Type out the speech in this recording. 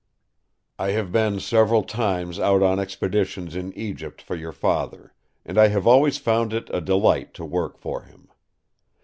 "I have been several times out on expeditions in Egypt for your Father; and I have always found it a delight to work for him.